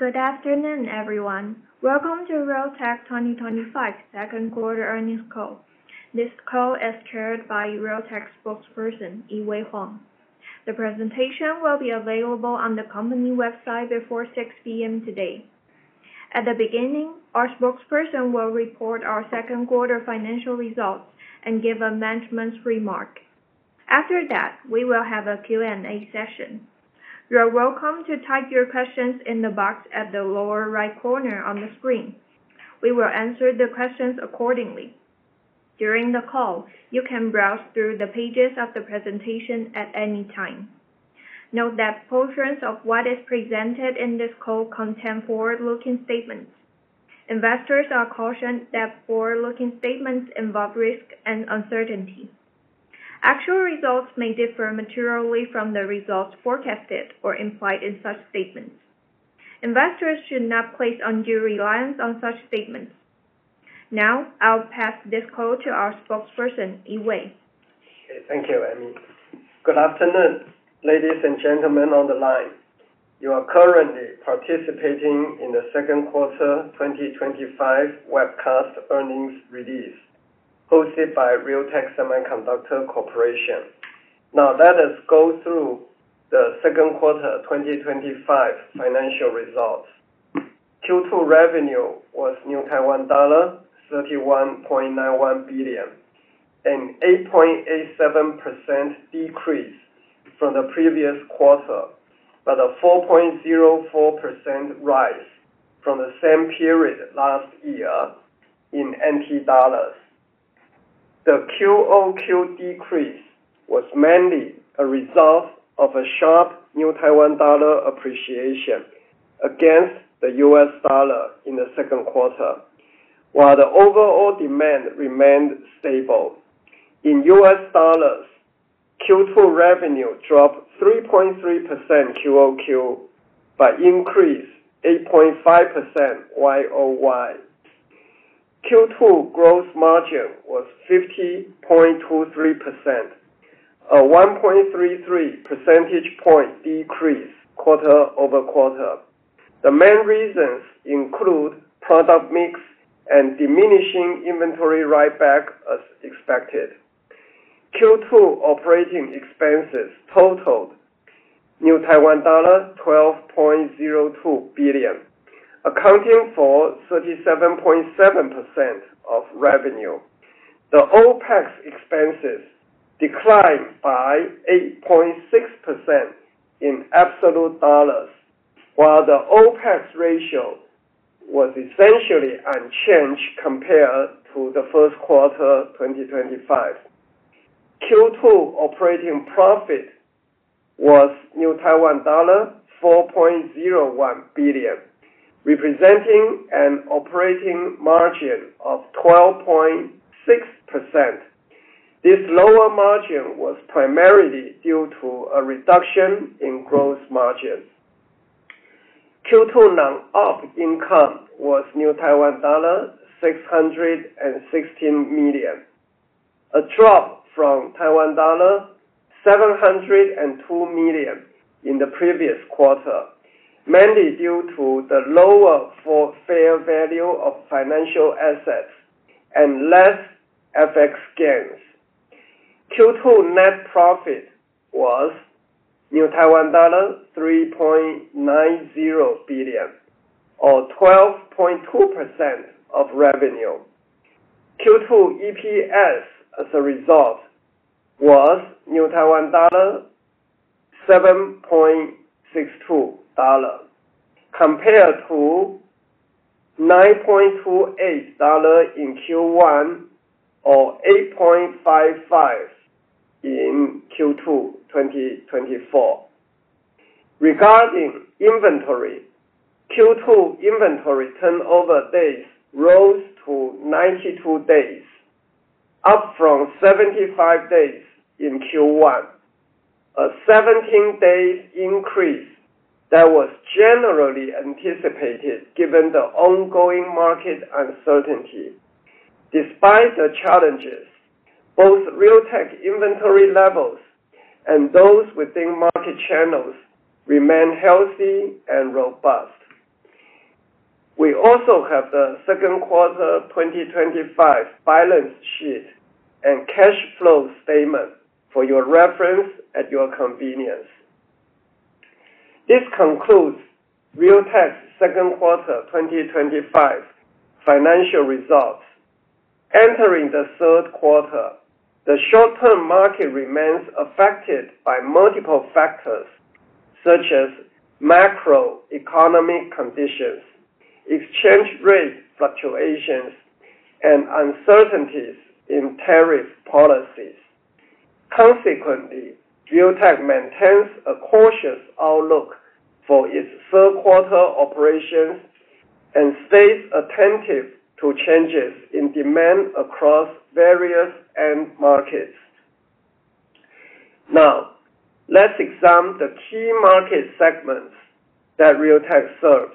Good afternoon, everyone. Welcome to Realtek 2025 second quarter earnings call. This call is carried by Realtek Spokesperson, Yee-Wei Huang. The presentation will be available on the company website before 6:00 P.M. today. At the beginning, our Spokesperson will report our second quarter financial results and give a management's remark. After that, we will have a Q&A session. You are welcome to type your questions in the box at the lower right corner of the screen. We will answer the questions accordingly. During the call, you can browse through the pages of the presentation at any time. Note that portions of what is presented in this call contain forward-looking statements. Investors are cautioned that forward-looking statements involve risk and uncertainty. Actual results may differ materially from the results forecasted or implied in such statements. Investors should not place undue reliance on such statements. Now, I will pass this call to our spokesperson, Yee-Wei. Thank you, Amy. Good afternoon, ladies and gentlemen on the line. You are currently participating in the second quarter 2025 webcast earnings release hosted by Realtek Semiconductor Corporation. Now, let us go through the second quarter 2025 financial results. Q2 revenue was Taiwan dollar 31.91 billion, an 8.87% decrease from the previous quarter, but a 4.04% rise from the same period last year in NT dollars. The QoQ decrease was mainly a result of a sharp New Taiwan Dollar appreciation against the U.S. dollar in the second quarter, while the overall demand remained stable. In U.S. dollars, Q2 revenue dropped 3.3% QoQ, but increased 8.5% YoY. Q2 gross margin was 50.23%, a 1.33 percentage point decrease quarter-over-quarter. The main reasons include product mix and diminishing inventory write-back as expected. Q2 operating expenses totaled TWD 12.02 billion, accounting for 37.7% of revenue. The OpEx expenses declined by 8.6% in absolute dollars, while the OpEx ratio was essentially unchanged compared to the first quarter 2025. Q2 operating profit was Taiwan dollar 4.01 billion, representing an operating margin of 12.6%. This lower margin was primarily due to a reduction in gross margins. Q2 non-Op income was Taiwan dollar 616 million, a drop from Taiwan dollar 702 million in the previous quarter, mainly due to the lower fair value of financial assets and less FX gains. Q2 net profit was Taiwan dollar 3.90 billion, or 12.2% of revenue. Q2 EPS as a result was 7.62 dollar compared to 9.28 dollar in Q1 or 8.55 in Q2 2024. Regarding inventory, Q2 inventory turnover days rose to 92 days, up from 75 days in Q1, a 17-day increase that was generally anticipated given the ongoing market uncertainty. Despite the challenges, both Realtek inventory levels and those within market channels remain healthy and robust. We also have the second quarter 2025 balance sheet and cash flow statement for your reference at your convenience. This concludes Realtek's second quarter 2025 financial results. Entering the third quarter, the short-term market remains affected by multiple factors such as macroeconomic conditions, exchange rate fluctuations, and uncertainties in tariff policies. Consequently, Realtek maintains a cautious outlook for its third quarter operations and stays attentive to changes in demand across various end markets. Now, let's examine the key market segments that Realtek serves.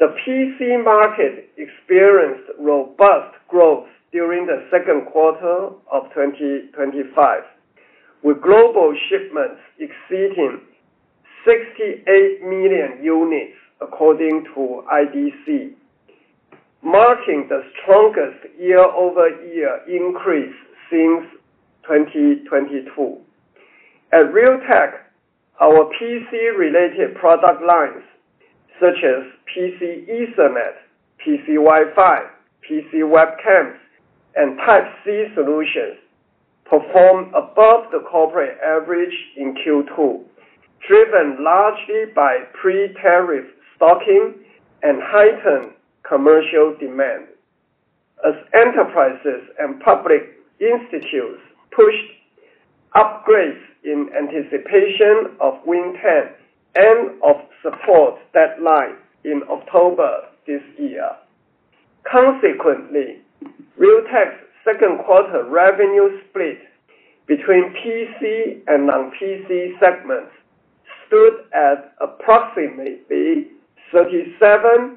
The PC market experienced robust growth during the second quarter of 2025, with global shipments exceeding 68 million units according to IDC, marking the strongest year-over-year increase since 2022. At Realtek, our PC-related product lines such as PC Ethernet, PC Wi-Fi, PC webcams, and Type-C solutions performed above the corporate average in Q2, driven largely by pre-tariff stocking and heightened commercial demand as enterprises and public institutes pushed upgrades in anticipation of Windows 10 end-of-support deadline in October this year. Consequently, Realtek's second quarter revenue split between PC and non-PC segments stood at approximately 37%-63%.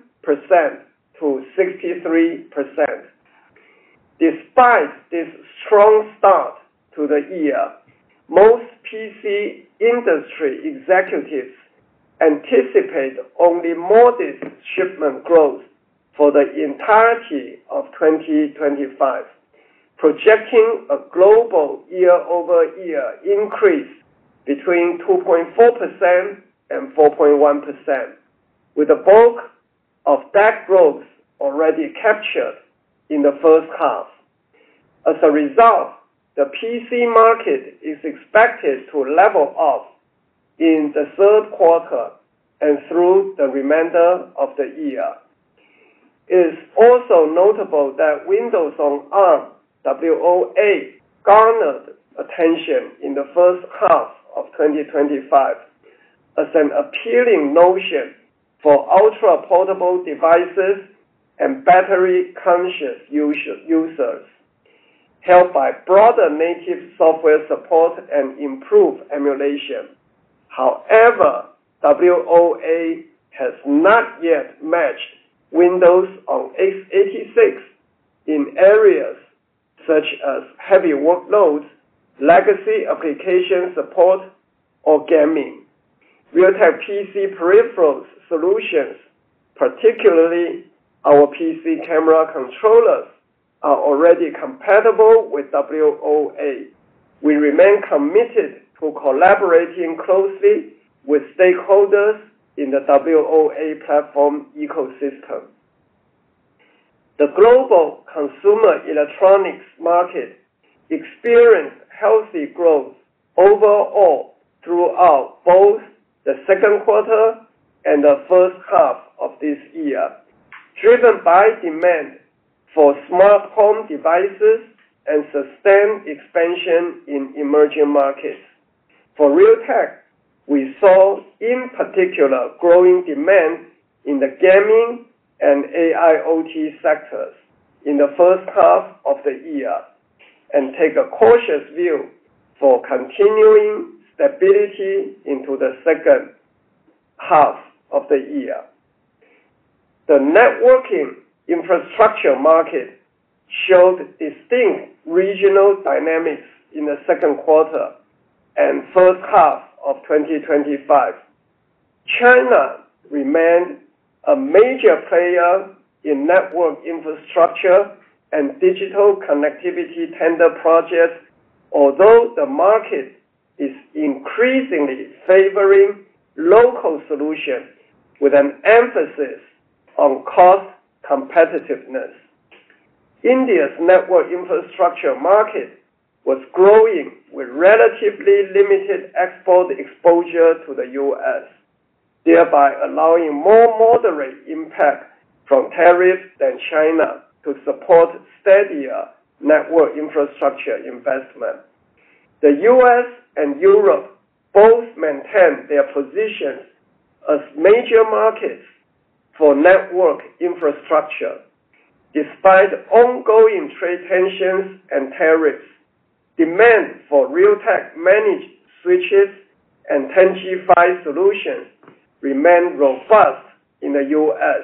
Despite this strong start to the year, most PC industry executives anticipate only modest shipment growth for the entirety of 2025, projecting a global year-over-year increase between 2.4% and 4.1%, with the bulk of that growth already captured in the first half. As a result, the PC market is expected to level off in the third quarter and through the remainder of the year. It is also notable that Windows on Arm, WoA, garnered attention in the first half of 2025 as an appealing notion for ultra-portable devices and battery-conscious users, helped by broader native software support and improved emulation. However, WoA has not yet matched Windows on x86 in areas such as heavy workloads, legacy application support, or gaming. Realtek PC peripherals solutions, particularly our PC camera controllers, are already compatible with WoA. We remain committed to collaborating closely with stakeholders in the WoA platform ecosystem. The global consumer electronics market experienced healthy growth overall throughout both the second quarter and the first half of this year, driven by demand for smart home devices and sustained expansion in emerging markets. For Realtek, we saw, in particular, growing demand in the gaming and AIoT sectors in the first half of the year and take a cautious view for continuing stability into the second half of the year. The networking infrastructure market showed distinct regional dynamics in the second quarter and first half of 2025. China remained a major player in network infrastructure and digital connectivity tender projects, although the market is increasingly favoring local solutions with an emphasis on cost competitiveness. India's network infrastructure market was growing with relatively limited export exposure to the U.S., thereby allowing more moderate impact from tariffs than China to support steadier network infrastructure investment. The U.S. and Europe both maintained their positions as major markets for network infrastructure. Despite ongoing trade tensions and tariffs, demand for Realtek managed switches and 10 GbE solutions remained robust in the U.S.,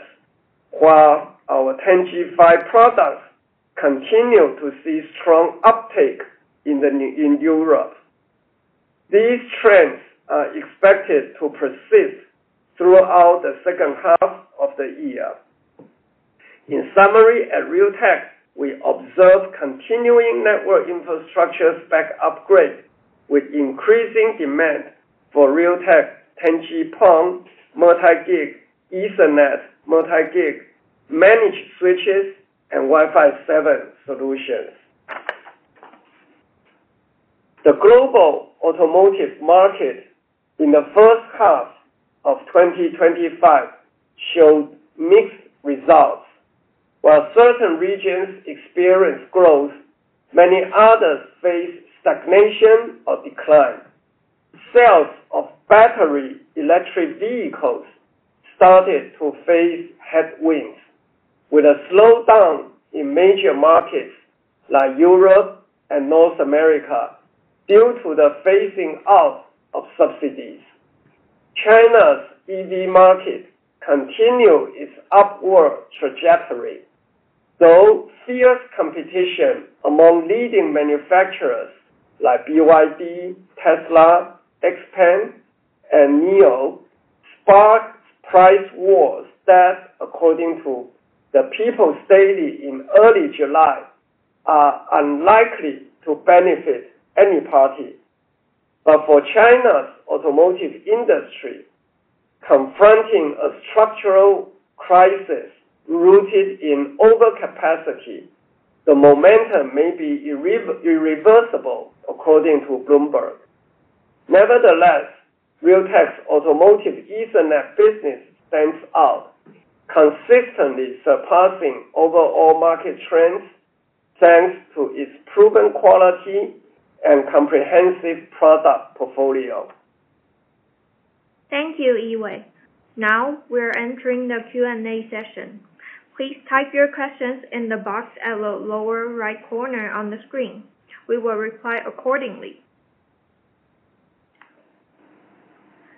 while our 10 GbE products continue to see strong uptake in Europe. These trends are expected to persist throughout the second half of the year. In summary, at Realtek, we observed continuing network infrastructure spec upgrades with increasing demand for Realtek 10G-PON Multi-Gig, Ethernet Multi-Gig, managed switches, and Wi-Fi 7 solutions. The global automotive market in the first half of 2025 showed mixed results. While certain regions experienced growth, many others faced stagnation or decline. Sales of battery electric vehicles started to face headwinds, with a slowdown in major markets like Europe and North America due to the phasing out of subsidies. China's EV market continued its upward trajectory, though fierce competition among leading manufacturers like BYD, Tesla, Xpeng, and NIO sparked price wars that, according to the People's Daily in early July, are unlikely to benefit any party. For China's automotive industry, confronting a structural crisis rooted in overcapacity, the momentum may be irreversible, according to Bloomberg. Nevertheless, Realtek's automotive Ethernet business stands out, consistently surpassing overall market trends thanks to its proven quality and comprehensive product portfolio. Thank you, Yee-Wei. Now, we are entering the Q&A session. Please type your questions in the box at the lower right corner of the screen. We will reply accordingly.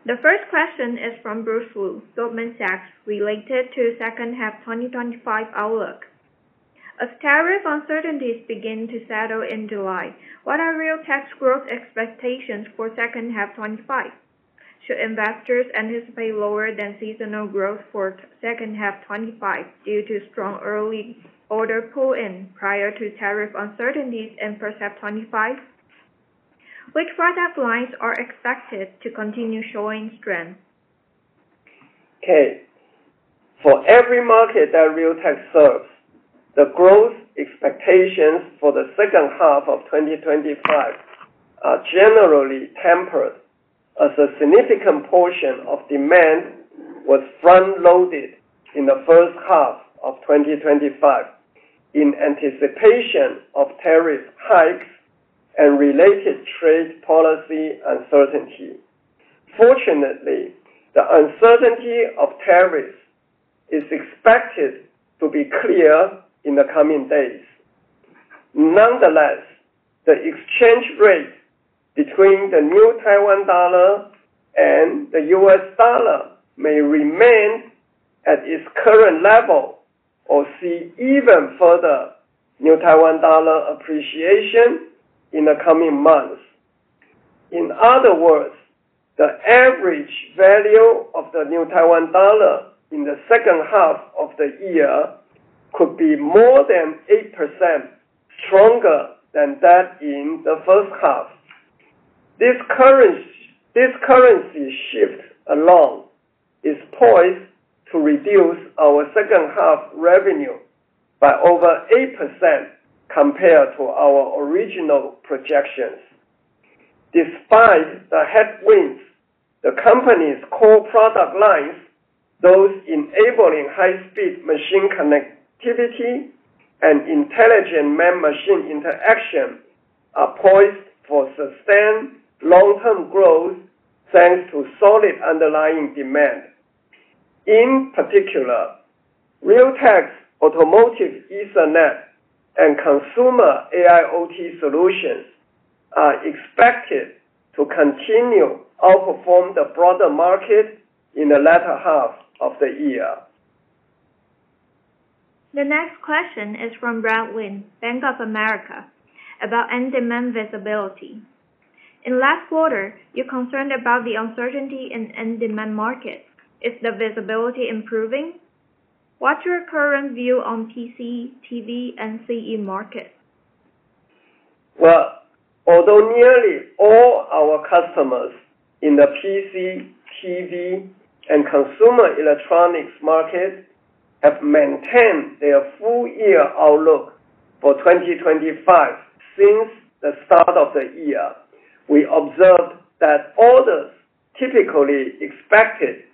The first question is from Bruce Lu, Goldman Sachs, related to the second half 2025 outlook. As tariff uncertainties begin to settle in July, what are Realtek's growth expectations for second half 2025? Should investors anticipate lower than seasonal growth for second half 2025 due to strong early-order pull-in prior to tariff uncertainties in first half 2025? Which product lines are expected to continue showing strength? Okay. For every market that Realtek serves, the growth expectations for the second half of 2025 are generally tempered as a significant portion of demand was front-loaded in the first half of 2025 in anticipation of tariff hikes and related trade policy uncertainty. Fortunately, the uncertainty of tariffs is expected to be clear in the coming days. Nonetheless, the exchange rate between the New Taiwan Dollar and the U.S. dollar may remain at its current level or see even further New Taiwan Dollar appreciation in the coming months. In other words, the average value of the New Taiwan Dollar in the second half of the year could be more than 8% stronger than that in the first half. This currency shift alone is poised to reduce our second half revenue by over 8% compared to our original projections. Despite the headwinds, the company's core product lines, those enabling high-speed machine connectivity and intelligent man-machine interaction, are poised for sustained long-term growth thanks to solid underlying demand. In particular, Realtek's automotive Ethernet and consumer AIoT solutions are expected to continue to outperform the broader market in the latter half of the year. The next question is from Brad Lin, Bank of America, about end-demand visibility. In the last quarter, you're concerned about the uncertainty in end-demand markets. Is the visibility improving? What's your current view on PC, TV, and CE markets? Although nearly all our customers in the PC, TV, and consumer electronics markets have maintained their full-year outlook for 2025 since the start of the year, we observed that orders typically expected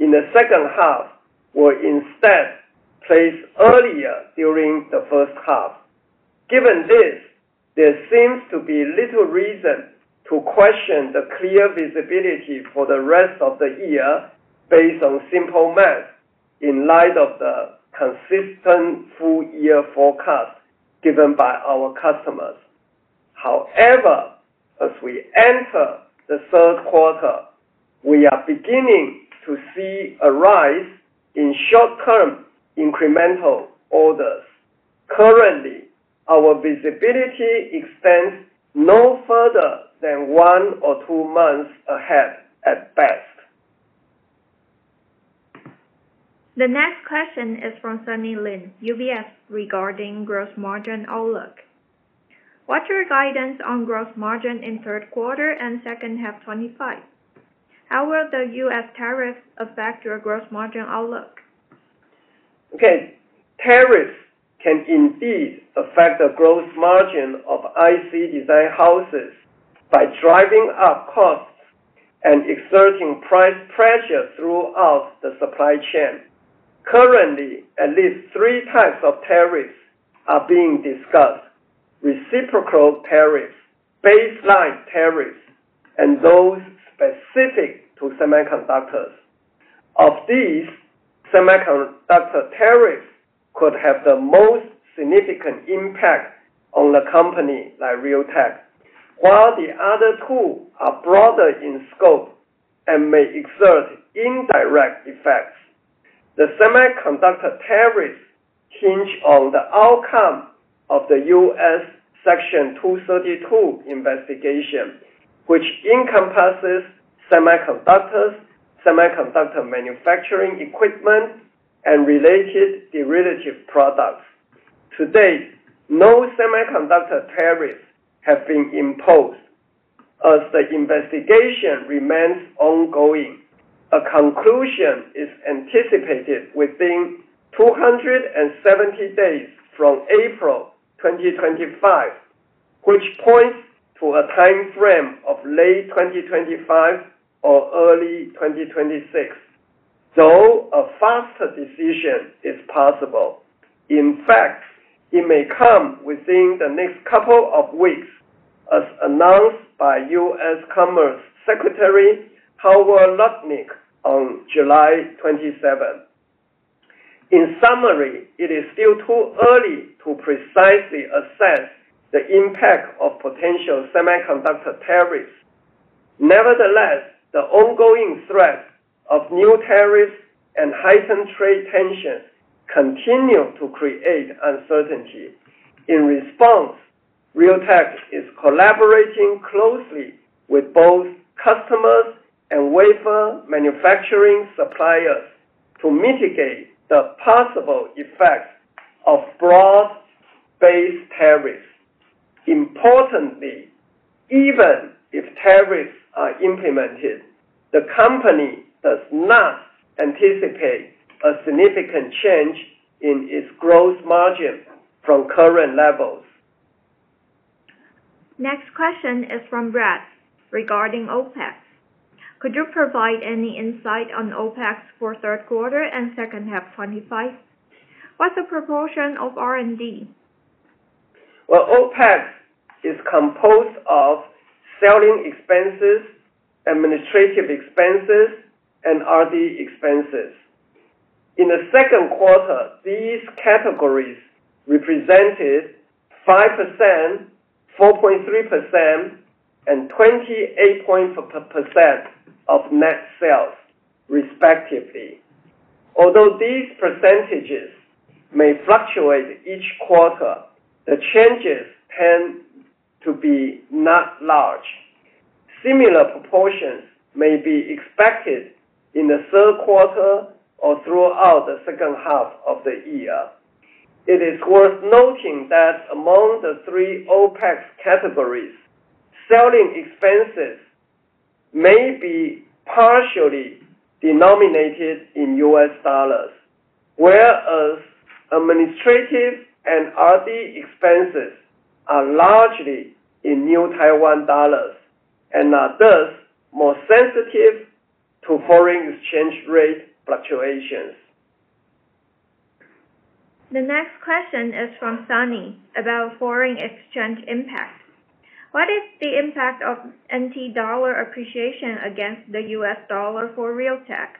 in the second half were instead placed earlier during the first half. Given this, there seems to be little reason to question the clear visibility for the rest of the year based on simple math in light of the consistent full-year forecast given by our customers. However, as we enter the third quarter, we are beginning to see a rise in short-term incremental orders. Currently, our visibility extends no further than one or two months ahead at best. The next question is from Sunny Lin, UBS, regarding gross margin outlook. What's your guidance on gross margin in third quarter and second half 2025? How will the U.S. tariffs affect your gross margin outlook? Okay. Tariffs can indeed affect the gross margin of IC design houses by driving up costs and exerting price pressure throughout the supply chain. Currently, at least three types of tariffs are being discussed: reciprocal tariffs, baseline tariffs, and those specific to semiconductors. Of these, semiconductor tariffs could have the most significant impact on a company like Realtek, while the other two are broader in scope and may exert indirect effects. The semiconductor tariffs hinge on the outcome of the U.S. Section 232 investigation, which encompasses semiconductors, semiconductor manufacturing equipment, and related derivative products. To date, no semiconductor tariffs have been imposed as the investigation remains ongoing. A conclusion is anticipated within 270 days from April 2025, which points to a timeframe of late 2025 or early 2026, though a faster decision is possible. In fact, it may come within the next couple of weeks, as announced by U.S. Commerce Secretary Howard Lutnick on July 27. In summary, it is still too early to precisely assess the impact of potential semiconductor tariffs. Nevertheless, the ongoing threat of new tariffs and heightened trade tensions continue to create uncertainty. In response, Realtek is collaborating closely with both customers and wafer manufacturing suppliers to mitigate the possible effects of broad-based tariffs. Importantly, even if tariffs are implemented, the company does not anticipate a significant change in its gross margin from current levels. Next question is from Brad regarding OpEx. Could you provide any insight on OpEx for third quarter and second half 2025? What's the proportion of R&D? OpEx is composed of selling expenses, administrative expenses, and R&D expenses. In the second quarter, these categories represented 5%, 4.3%, and 28.5% of net sales, respectively. Although these percentages may fluctuate each quarter, the changes tend to be not large. Similar proportions may be expected in the third quarter or throughout the second half of the year. It is worth noting that among the three OpEx categories, selling expenses may be partially denominated in U.S. dollars, whereas administrative and R&D expenses are largely in New Taiwan Dollars and are thus more sensitive to foreign exchange rate fluctuations. The next question is from Sunny about foreign exchange impact. What is the impact of NT dollar appreciation against the U.S. dollar for Realtek?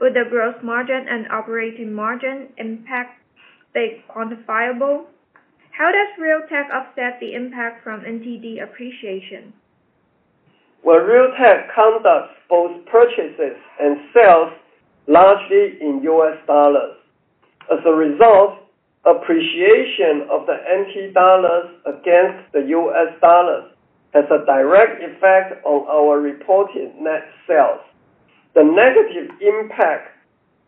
Would the gross margin and operating margin impact be quantifiable? How does Realtek offset the impact from NTD appreciation? Realtek conducts both purchases and sales largely in U.S. dollars. As a result, appreciation of the NT dollars against the U.S. dollars has a direct effect on our reported net sales. The negative impact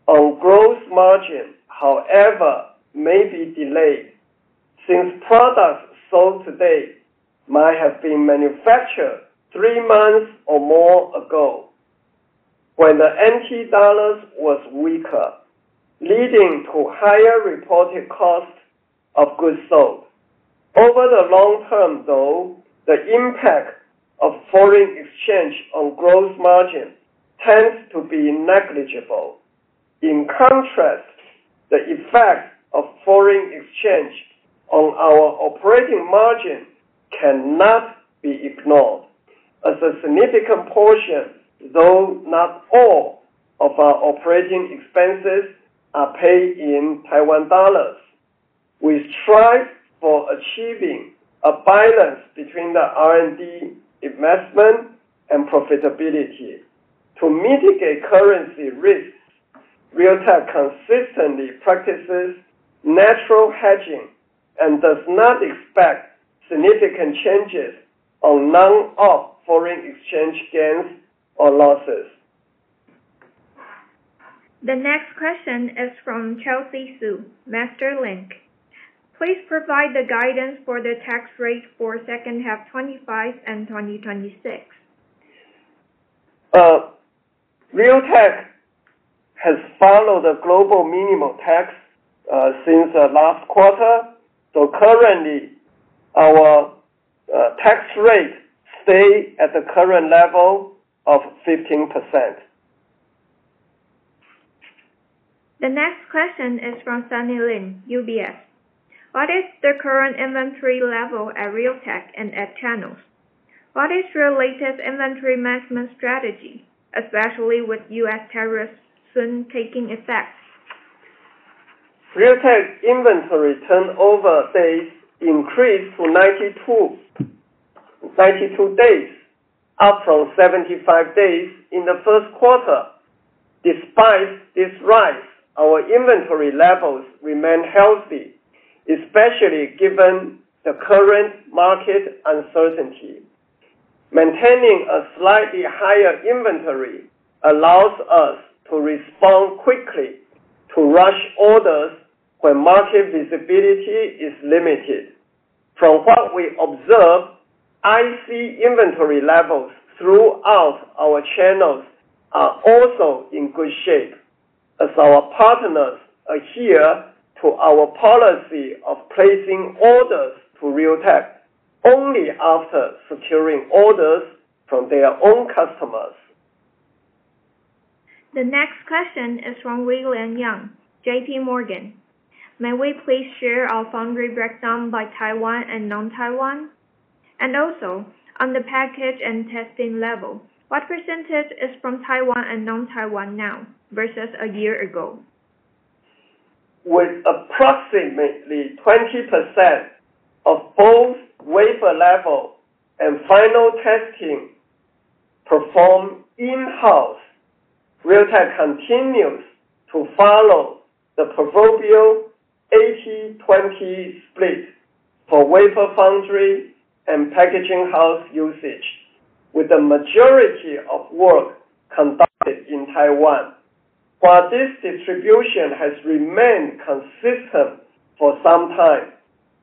on gross margin, however, may be delayed since products sold today might have been manufactured three months or more ago when the NT dollars was weaker, leading to higher reported cost of goods sold. Over the long term, though, the impact of foreign exchange on gross margin tends to be negligible. In contrast, the effect of foreign exchange on our operating margin cannot be ignored. As a significant portion, though not all, of our operating expenses are paid in Taiwan Dollars, we strive for achieving a balance between the R&D investment and profitability. To mitigate currency risks, Realtek consistently practices natural hedging and does not expect significant changes on non-OP foreign exchange gains or losses. The next question is from Chelsea Su, MasterLink. Please provide the guidance for the tax rate for second half 2025 and 2026. Realtek has followed a global minimum tax since the last quarter, though currently our tax rate stays at the current level of 15%. The next question is from Sunny Lin, UBS. What is the current inventory level at Realtek and at Channel? What is your latest inventory management strategy, especially with U.S. tariffs soon taking effect? Realtek's inventory turnover days increased to 92 days, up from 75 days in the first quarter. Despite this rise, our inventory levels remain healthy, especially given the current market uncertainty. Maintaining a slightly higher inventory allows us to respond quickly to rush orders when market visibility is limited. From what we observe, IC inventory levels throughout our channels are also in good shape, as our partners adhere to our policy of placing orders to Realtek only after securing orders from their own customers. The next question is from Wai Lian Yong, JPMorgan. May we please share our foundry breakdown by Taiwan and non-Taiwan? Also, on the package and testing level, what % is from Taiwan and non-Taiwan now versus a year ago? With approximately 20% of both wafer level and final testing performed in-house, Realtek continues to follow the proverbial 80/20 split for wafer foundry and packaging house usage, with the majority of work conducted in Taiwan. While this distribution has remained consistent for some time,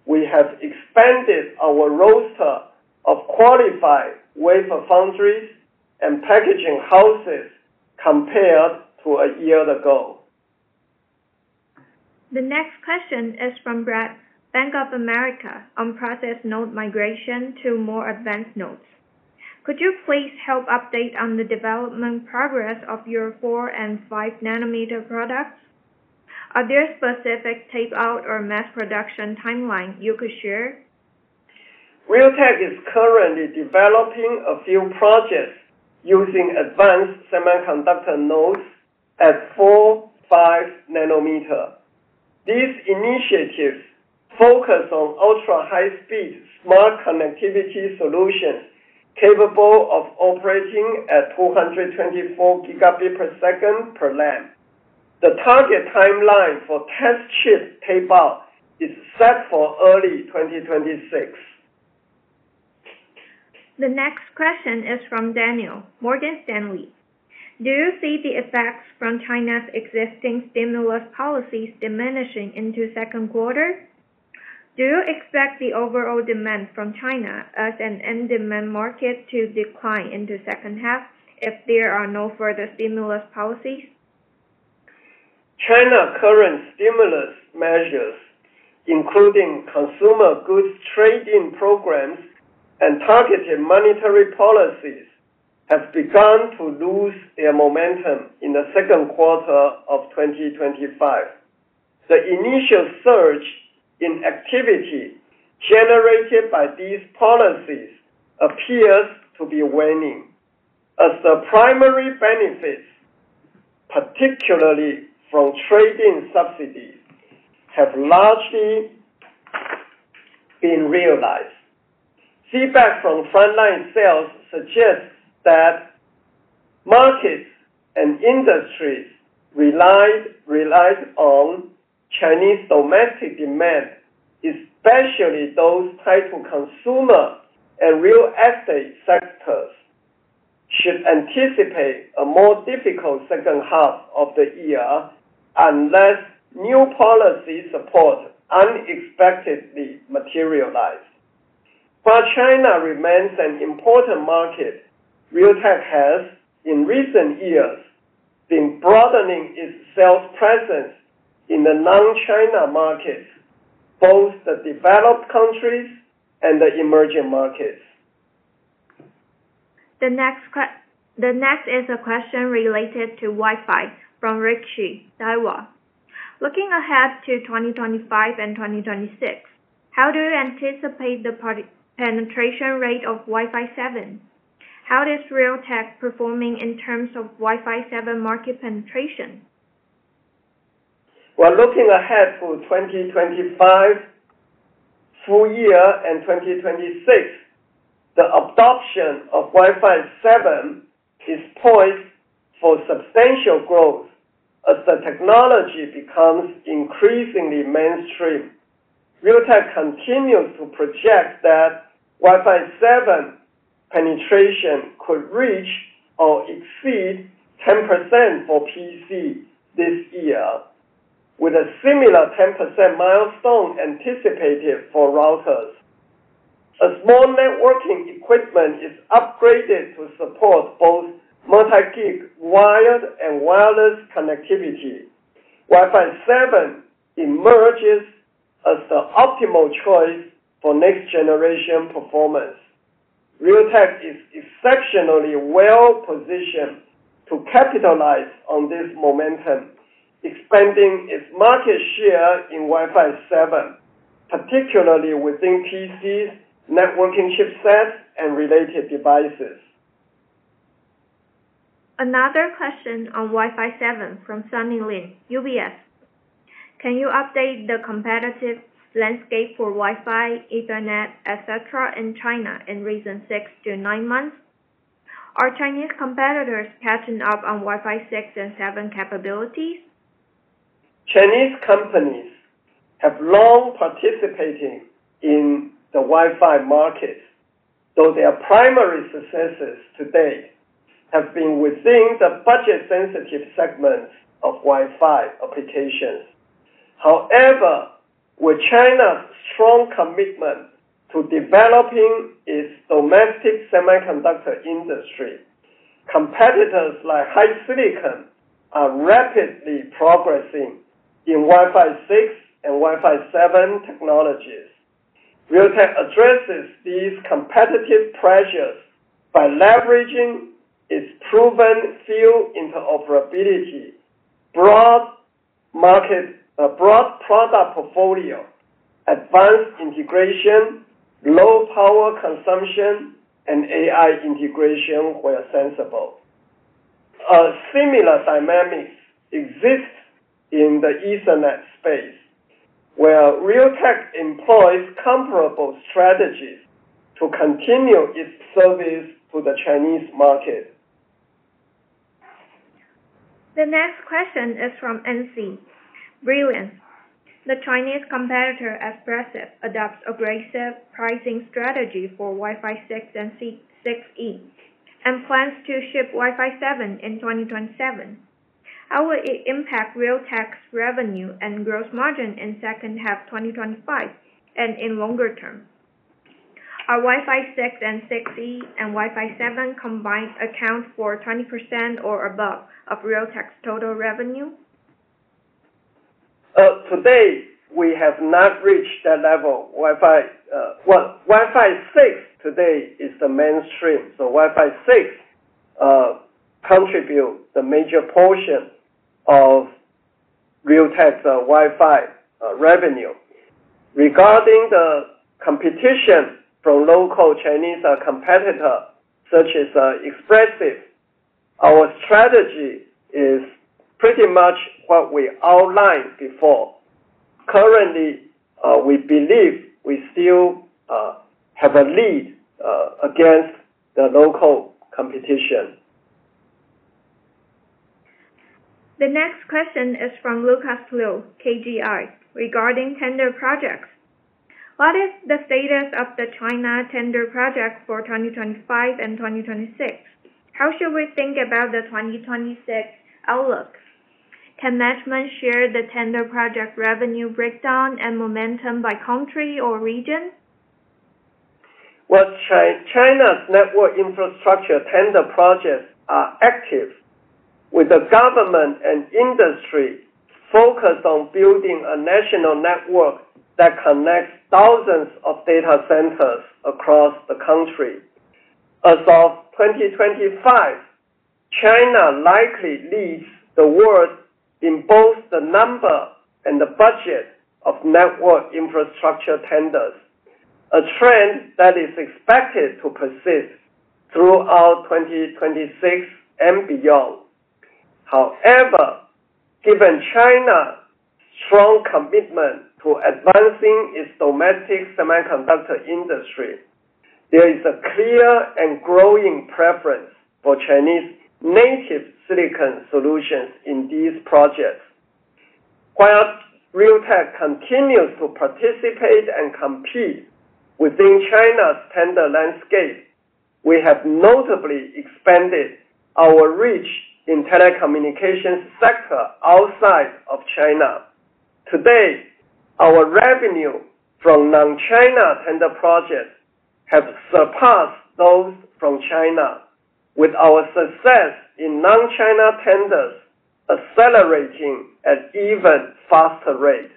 we have expanded our roster of qualified wafer foundries and packaging houses compared to a year ago. The next question is from Brad, Bank of America, on process node migration to more advanced nodes. Could you please help update on the development progress of your 4 nm and 5 nm products? Are there specific tape-out or mass production timelines you could share? Realtek is currently developing a few projects using advanced semiconductor nodes at 4 nm, 5 nm. These initiatives focus on ultra-high-speed smart connectivity solutions capable of operating at 224 Gbps per LAN. The target timeline for test chip tape-out is set for early 2026. The next question is from Daniel, Morgan Stanley. Do you see the effects from China's existing stimulus policies diminishing into the second quarter? Do you expect the overall demand from China as an end-demand market to decline into the second half if there are no further stimulus policies? China's current stimulus measures, including consumer goods trading programs and targeted monetary policies, have begun to lose their momentum in the second quarter of 2025. The initial surge in activity generated by these policies appears to be waning, as the primary benefits, particularly from trading subsidies, have largely been realized. Feedback from frontline sales suggests that markets and industries relied on Chinese domestic demand, especially those tied to consumer and real estate sectors, should anticipate a more difficult second half of the year unless new policy support unexpectedly materializes. While China remains an important market, Realtek has, in recent years, been broadening its sales presence in the non-China markets, both the developed countries and the emerging markets. The next is a question related to Wi-Fi from Rick Hsu, Daiwa. Looking ahead to 2025 and 2026, how do you anticipate the penetration rate of Wi-Fi 7? How is Realtek performing in terms of Wi-Fi 7 market penetration? Looking ahead for 2025 full year and 2026, the adoption of Wi-Fi 7 is poised for substantial growth as the technology becomes increasingly mainstream. Realtek continues to project that Wi-Fi 7 penetration could reach or exceed 10% for PC this year, with a similar 10% milestone anticipated for routers. As more networking equipment is upgraded to support both Multi-Gig wired and wireless connectivity, Wi-Fi 7 emerges as the optimal choice for next-generation performance. Realtek is exceptionally well positioned to capitalize on this momentum, expanding its market share in Wi-Fi 7, particularly within PCs, networking chipsets, and related devices. Another question on Wi-Fi 7 from Sunny Lin, UBS. Can you update the competitive landscape for Wi-Fi, Ethernet, etc. in China in recent 6 to 9 months? Are Chinese competitors catching up on Wi-Fi 6 and 7 capabilities? Chinese companies have long participated in the Wi-Fi market, though their primary successes to date have been within the budget-sensitive segments of Wi-Fi applications. However, with China's strong commitment to developing its domestic semiconductor industry, competitors like HiSilicon are rapidly progressing in Wi-Fi 6 and Wi-Fi 7 technologies. Realtek addresses these competitive pressures by leveraging its proven field interoperability, a broad product portfolio, advanced integration, low power consumption, and AI integration where sensible. Similar dynamics exist in the Ethernet space, where Realtek employs comparable strategies to continue its service to the Chinese market. The next question is from NC, Brilliant. The Chinese competitor Espressif adopts aggressive pricing strategy for Wi-Fi 6 and 6E and plans to ship Wi-Fi 7 in 2027. How will it impact Realtek's revenue and gross margin in second half 2025 and in longer term? Are Wi-Fi 6 and 6E and Wi-Fi 7 combined accounts for 20% or above of Realtek's total revenue? Today, we have not reached that level. Wi-Fi 6 today is the mainstream, so Wi-Fi 6 contributes a major portion of Realtek's Wi-Fi revenue. Regarding the competition from local Chinese competitors such as Espressif, our strategy is pretty much what we outlined before. Currently, we believe we still have a lead against the local competition. The next question is from Lucas Liu, KGI, regarding tender projects. What is the status of the China tender project for 2025 and 2026? How should we think about the 2026 outlook? Can management share the tender project revenue breakdown and momentum by country or region? China's network infrastructure tender projects are active, with the government and industry focused on building a national network that connects thousands of data centers across the country. As of 2025, China likely leads the world in both the number and the budget of network infrastructure tenders, a trend that is expected to persist throughout 2026 and beyond. However, given China's strong commitment to advancing its domestic semiconductor industry, there is a clear and growing preference for Chinese native silicon solutions in these projects. While Realtek continues to participate and compete within China's tender landscape, we have notably expanded our reach in the telecommunications sector outside of China. Today, our revenue from non-China tender projects has surpassed those from China, with our success in non-China tenders accelerating at an even faster rate.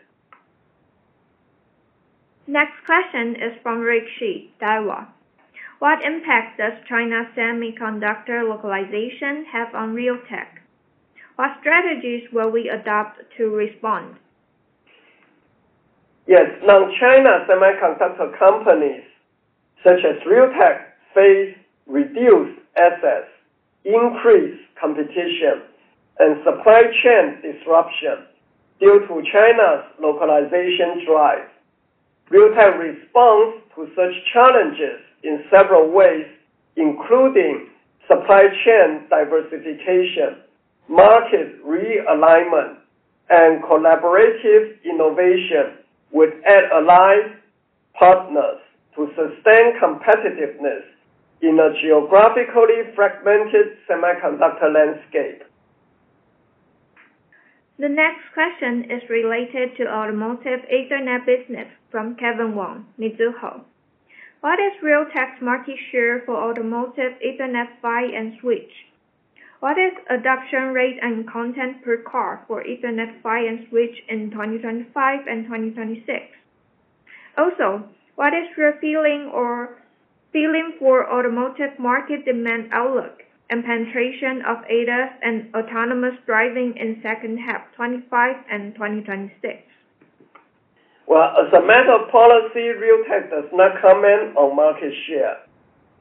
Next question is from Rick Hsu, Daiwa. What impact does China's semiconductor localization have on Realtek? What strategies will we adopt to respond? Yes. Non-China semiconductor companies such as Realtek face reduced assets, increased competition, and supply chain disruption due to China's localization drive. Realtek responds to such challenges in several ways, including supply chain diversification, market realignment, and collaborative innovation with add-alike partners to sustain competitiveness in a geographically fragmented semiconductor landscape. The next question is related to automotive Ethernet business from Kevin Wang, Mizuho. What is Realtek's market share for automotive Ethernet buy and switch? What is the adoption rate and content per car for Ethernet buy and switch in 2025 and 2026? Also, what is your feeling or feeling for automotive market demand outlook and penetration of ADAS and autonomous driving in second half 2025 and 2026? As a matter of policy, Realtek does not comment on market share.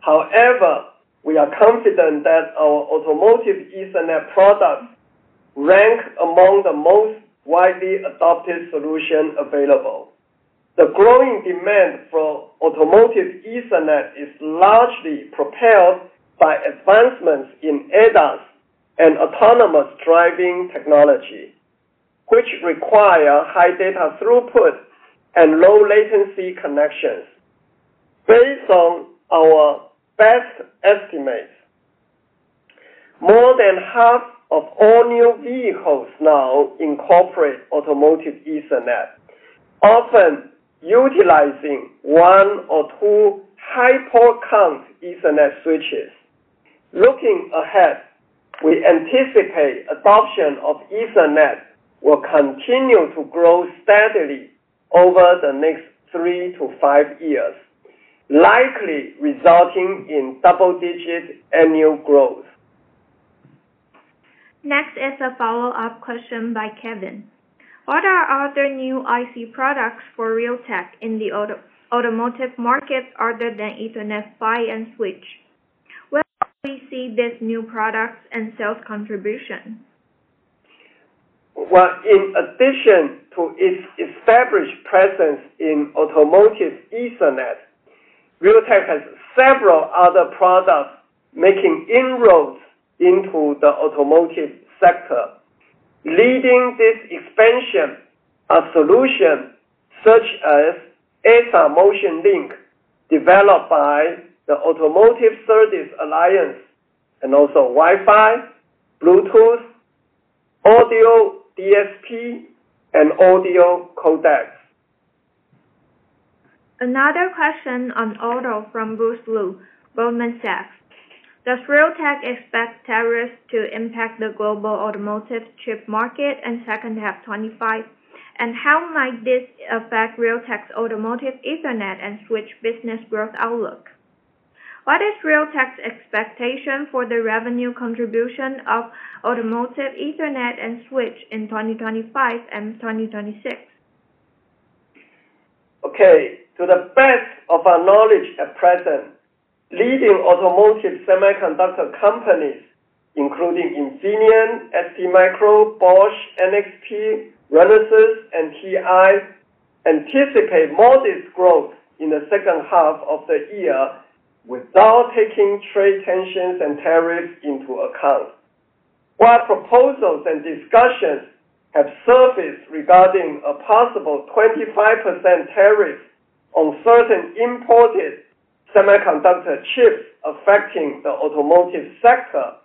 However, we are confident that our automotive Ethernet products rank among the most widely adopted solutions available. The growing demand for automotive Ethernet is largely propelled by advancements in ADAS and autonomous driving technology, which require high data throughput and low latency connections. Based on our best estimates, more than half of all new vehicles now incorporate automotive Ethernet, often utilizing one or two high-performance Ethernet switches. Looking ahead, we anticipate adoption of Ethernet will continue to grow steadily over the next three to five years, likely resulting in double-digit annual growth. Next is a follow-up question by Kevin. What are other new IC products for Realtek in the automotive market other than automotive Ethernet and managed switches? Where do we see these new products and sales contribution? In addition to its established presence in automotive Ethernet, Realtek has several other products making inroads into the automotive sector, leading this expansion to a solution such as ASA Motion Link, developed by the Automotive Service Alliance, and also Wi-Fi, Bluetooth, audio DSP, and audio codecs. Another question on auto from Bruce Lu, Goldman Sachs. Does Realtek expect tariffs to impact the global automotive chip market in second half 2025, and how might this affect Realtek's automotive Ethernet and switch business growth outlook? What is Realtek's expectation for the revenue contribution of automotive Ethernet and switch in 2025 and 2026? Okay. To the best of our knowledge at present, leading automotive semiconductor companies, including Infineon, STMicro, Bosch, NXP, Renesas, and TI, anticipate modest growth in the second half of the year without taking trade tensions and tariffs into account. While proposals and discussions have surfaced regarding a possible 25% tariff on certain imported semiconductor chips affecting the automotive sector,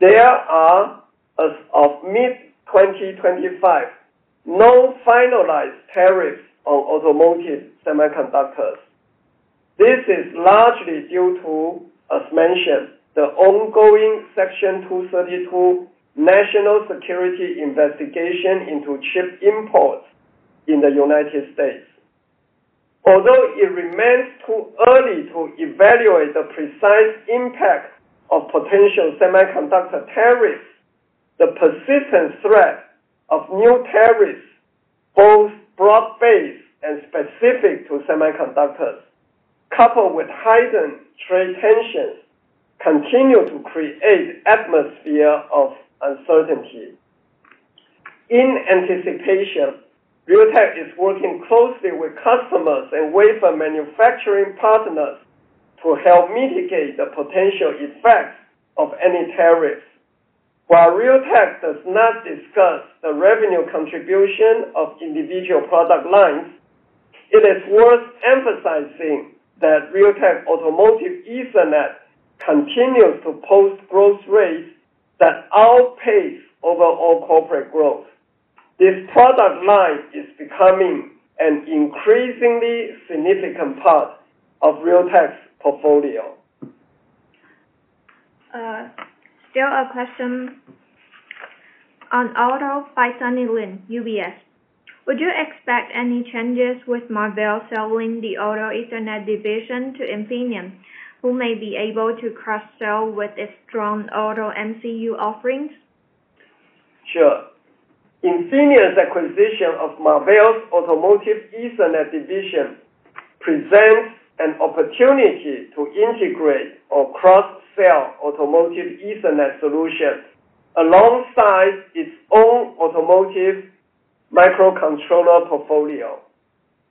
there are, as of mid-2025, no finalized tariffs on automotive semiconductors. This is largely due to, as mentioned, the ongoing Section 232 national security investigation into chip imports in the U.S. Although it remains too early to evaluate the precise impact of potential semiconductor tariffs, the persistent threat of new tariffs, both broad-based and specific to semiconductors, coupled with heightened trade tensions, continue to create an atmosphere of uncertainty. In anticipation, Realtek is working closely with customers and wafer manufacturing partners to help mitigate the potential effects of any tariffs. While Realtek does not discuss the revenue contribution of individual product lines, it is worth emphasizing that Realtek's automotive Ethernet continues to post growth rates that outpace overall corporate growth. This product line is becoming an increasingly significant part of Realtek's portfolio. Still a question on auto by Sunny Lin, UBS. Would you expect any changes with Marvell selling the automotive Ethernet division to Infineon, who may be able to cross-sell with its strong auto MCU offerings? Infineon's acquisition of Marvell's automotive Ethernet division presents an opportunity to integrate or cross-sell automotive Ethernet solutions alongside its own automotive microcontroller portfolio.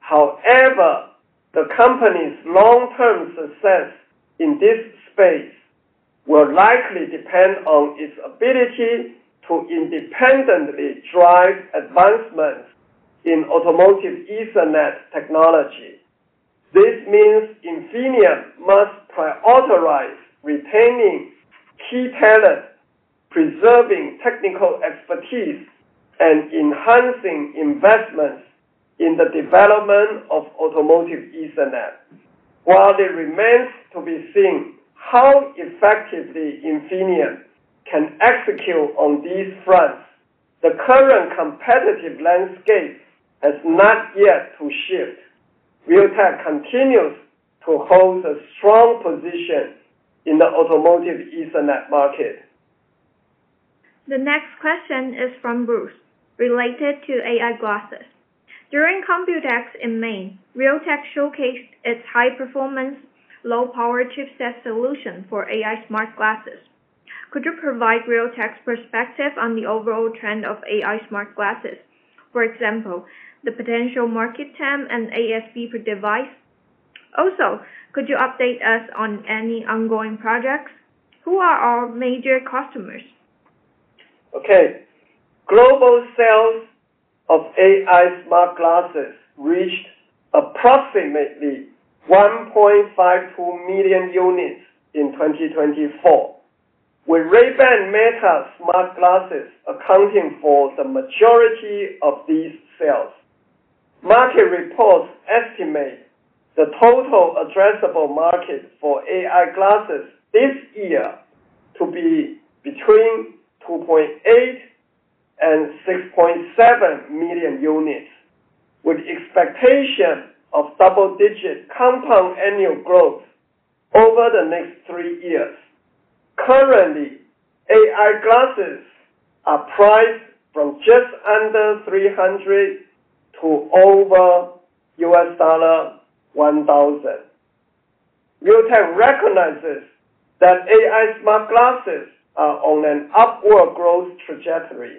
However, the company's long-term success in this space will likely depend on its ability to independently drive advancements in automotive Ethernet technology. This means Infineon must prioritize retaining key talent, preserving technical expertise, and enhancing investments in the development of automotive Ethernet. While it remains to be seen how effectively Infineon can execute on these fronts, the current competitive landscape has not yet shifted. Realtek continues to hold a strong position in the automotive Ethernet market. The next question is from Bruce, related to AI glasses. During COMPUTEX in May, Realtek showcased its high-performance, low-power chipset solution for AI smart glasses. Could you provide Realtek's perspective on the overall trend of AI smart glasses? For example, the potential market temp and ASP per device. Also, could you update us on any ongoing projects? Who are our major customers? Okay. Global sales of AI smart glasses reached approximately 1.52 million units in 2024, with Ray-Ban Meta smart glasses accounting for the majority of these sales. Market reports estimate the total addressable market for AI glasses this year to be between 2.8 and 6.7 million units, with expectation of double-digit compound annual growth over the next three years. Currently, AI glasses are priced from just under $300 to over $1,000. Realtek recognizes that AI smart glasses are on an upward growth trajectory,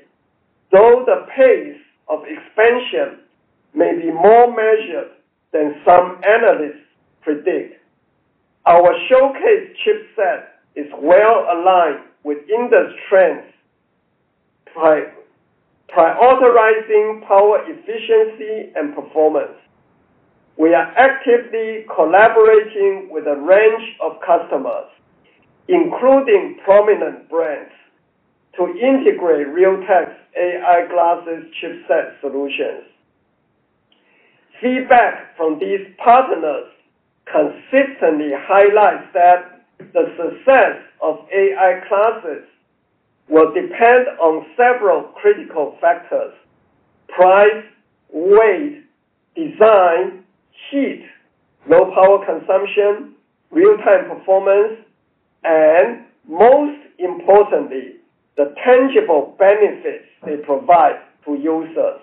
though the pace of expansion may be more measured than some analysts predict. Our showcase chipset is well aligned with industry trends, prioritizing power efficiency and performance. We are actively collaborating with a range of customers, including prominent brands, to integrate Realtek's AI glasses chipset solutions. Feedback from these partners consistently highlights that the success of AI glasses will depend on several critical factors: price, weight, design, heat, low power consumption, real-time performance, and most importantly, the tangible benefits they provide to users.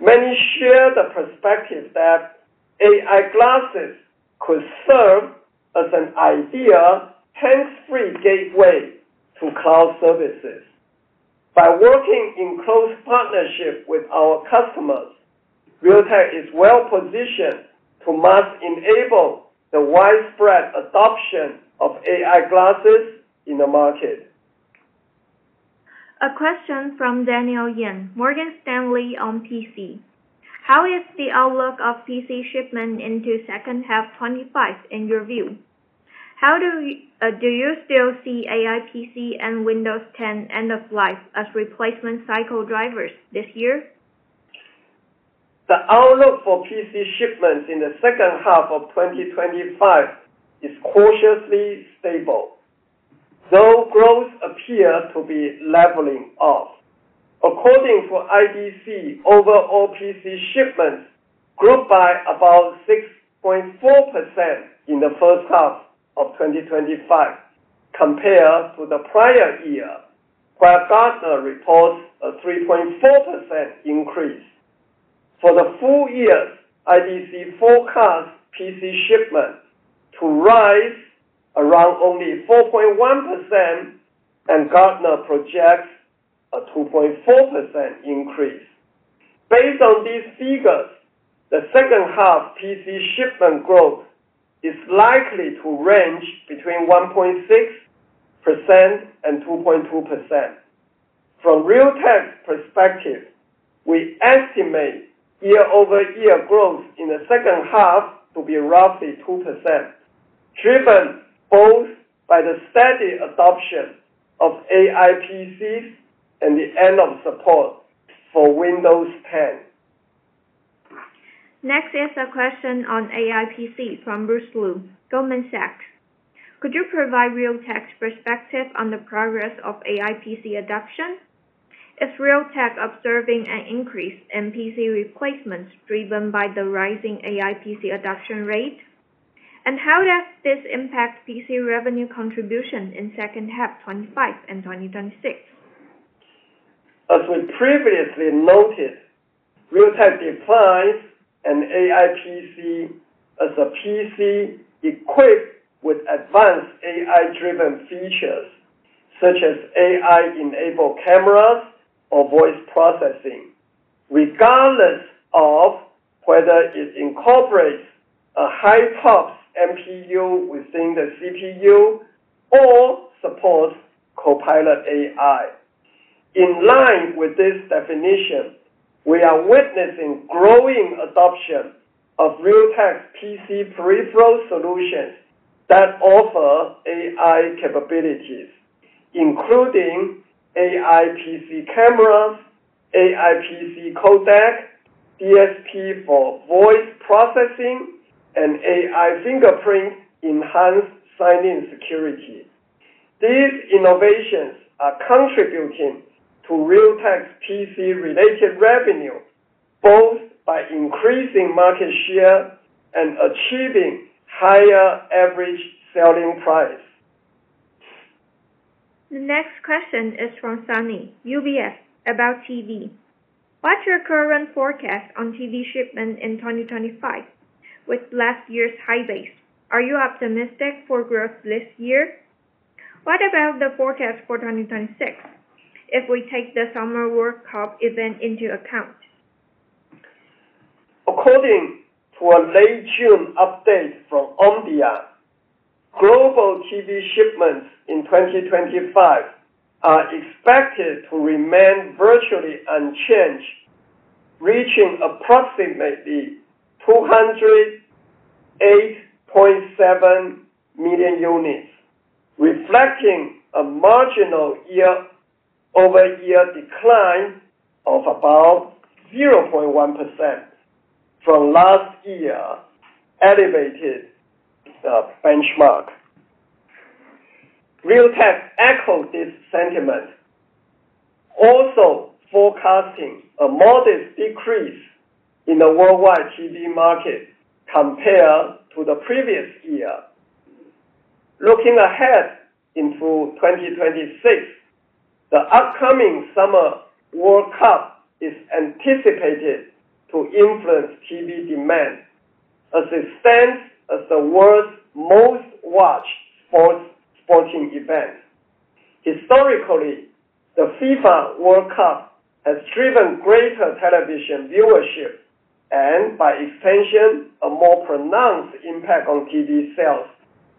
Many share the perspective that AI glasses could serve as an ideal hands-free gateway to cloud services. By working in close partnership with our customers, Realtek is well positioned to enable the widespread adoption of AI glasses in the market. A question from Daniel Yin, Morgan Stanley on PC. How is the outlook of PC shipment into second half 2025 in your view? How do you still see AI PC and Windows 10 end-of-life as replacement cycle drivers this year? The outlook for PC shipments in the second half of 2025 is cautiously stable, though growth appears to be leveling off. According to IDC, overall PC shipments grew by about 6.4% in the first half of 2025 compared to the prior year, while Gartner reports a 3.4% increase. For the full year, IDC forecasts PC shipments to rise around only 4.1%, and Gartner projects a 2.4% increase. Based on these figures, the second half PC shipment growth is likely to range between 1.6% and 2.2%. From Realtek's perspective, we estimate year-over-year growth in the second half to be roughly 2%, driven both by the steady adoption of AI PCs and the end-of-support for Windows 10. Next is a question on AI PC from Bruce Lu, Goldman Sachs. Could you provide Realtek's perspective on the progress of AI PC adoption? Is Realtek observing an increase in PC replacements driven by the rising AI PC adoption rate? How does this impact PC revenue contribution in second half 2025 and 2026? As we previously noted, Realtek defines an AI PC as a PC equipped with advanced AI-driven features, such as AI-enabled cameras or voice processing, regardless of whether it incorporates a high-pops NPU within the CPU or supports Copilot AI. In line with this definition, we are witnessing growing adoption of Realtek's PC peripheral solutions that offer AI capabilities, including AI PC cameras, AI PC codec, DSP for voice processing, and AI fingerprint enhanced sign-in security. These innovations are contributing to Realtek's PC-related revenue, both by increasing market share and achieving higher average selling price. The next question is from Sunny, UBS, about TV. What's your current forecast on TV shipment in 2025? With last year's high base, are you optimistic for growth this year? What about the forecast for 2026, if we take the Summer World Cup event into account? According to a late-June update from Omdia, global TV shipments in 2025 are expected to remain virtually unchanged, reaching approximately 208.7 million units, reflecting a marginal year-over-year decline of about 0.1% from last year's elevated benchmark. Realtek echoed this sentiment, also forecasting a modest decrease in the worldwide TV market compared to the previous year. Looking ahead into 2026, the upcoming Summer World Cup is anticipated to influence TV demand as it stands as the world's most watched sporting event. Historically, the FIFA World Cup has driven greater television viewership and, by extension, a more pronounced impact on TV sales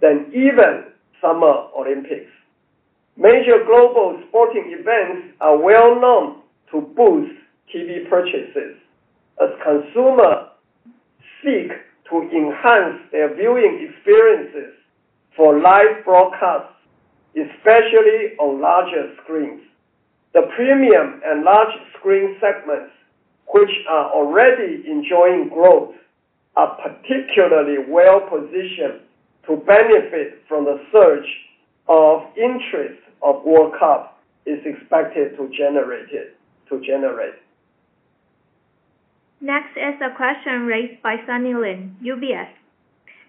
than even Summer Olympics. Major global sporting events are well known to boost TV purchases, as consumers seek to enhance their viewing experiences for live broadcasts, especially on larger screens. The premium and large screen segments, which are already enjoying growth, are particularly well positioned to benefit from the surge of interest the World Cup is expected to generate. Next is a question raised by Sunny Lin, UBS.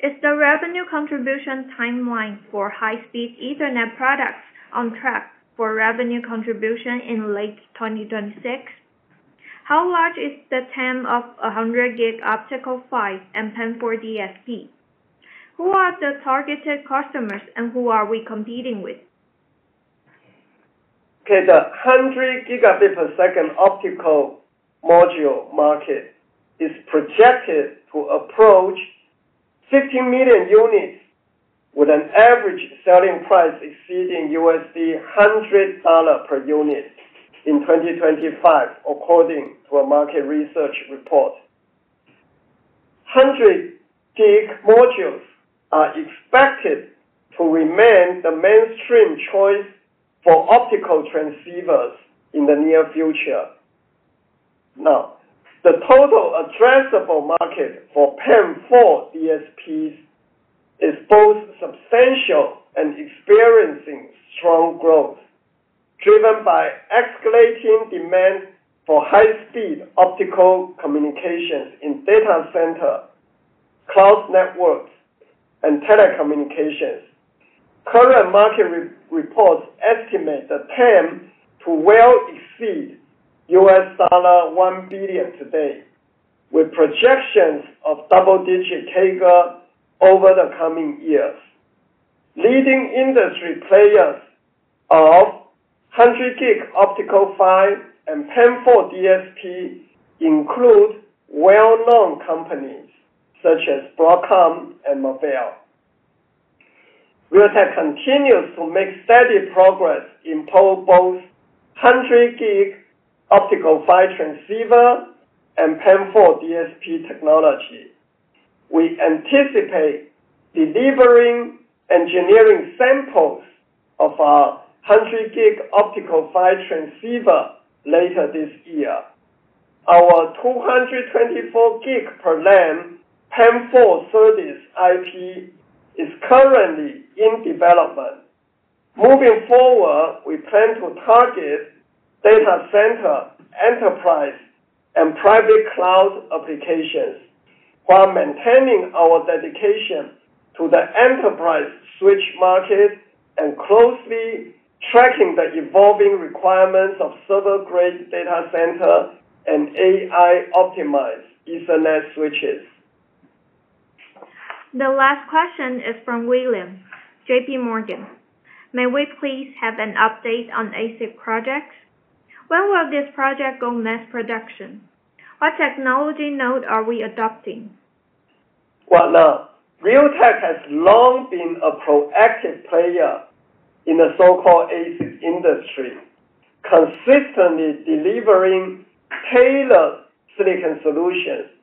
Is the revenue contribution timeline for high-speed Ethernet products on track for revenue contribution in late 2026? How large is the TAM of 100 Gb optical transceivers and 1040 DSP? Who are the targeted customers and who are we competing with? Okay. The 100 Gbps optical module market is projected to approach 50 million units, with an average selling price exceeding $100 per unit in 2025, according to a market research report. 100 Gb modules are expected to remain the mainstream choice for optical transceivers in the near future. Now, the total addressable market for 1040 DSPs is both substantial and experiencing strong growth, driven by escalating demand for high-speed optical communications in data centers, cloud networks, and telecommunications. Current market reports estimate the TAM to well exceed $1 billion today, with projections of double-digit CAGR over the coming years. Leading industry players of 100 Gb optical PHY and 1040 DSP include well-known companies such as Broadcom and Marvell. Realtek continues to make steady progress in both 100 Gb optical PHY transceiver and 1040 DSP technology. We anticipate delivering engineering samples of our 100 Gb optical PHY transceiver later this year. Our 224 Gb per LAN 1040 series IP is currently in development. Moving forward, we plan to target data center enterprise and private cloud applications, while maintaining our dedication to the enterprise switch market and closely tracking the evolving requirements of server-grade data center and AI-optimized Ethernet switches. The last question is from William, JPMorgan. May we please have an update on ASIC projects? When will this project go mass production? What technology node are we adopting? Realtek has long been a proactive player in the so-called ASIC industry, consistently delivering tailored silicon solutions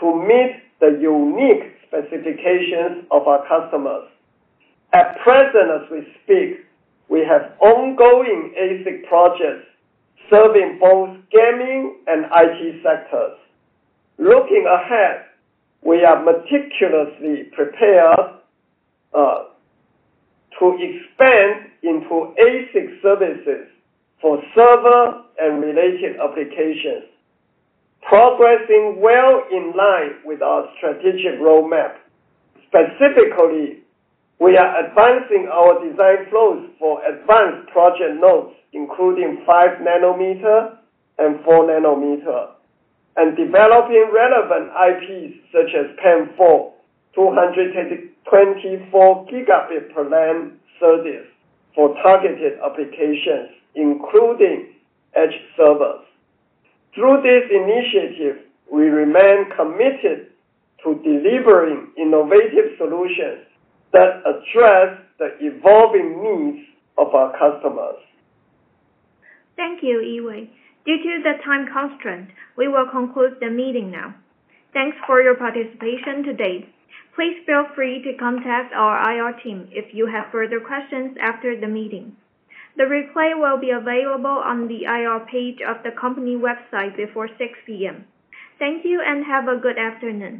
to meet the unique specifications of our customers. At present, as we speak, we have ongoing ASIC projects serving both gaming and IT sectors. Looking ahead, we are meticulously prepared to expand into ASIC services for server and related applications, progressing well in line with our strategic roadmap. Specifically, we are advancing our design flows for advanced project nodes, including 5 nm and 4 nm, and developing relevant IPs such as 1040 224 Gb per LAN service for targeted applications, including edge servers. Through this initiative, we remain committed to delivering innovative solutions that address the evolving needs of our customers. Thank you, Yee-Wei. Due to the time constraint, we will conclude the meeting now. Thanks for your participation today. Please feel free to contact our IR team if you have further questions after the meeting. The reply will be available on the IR page of the company website before 6:00 P.M. Thank you and have a good afternoon.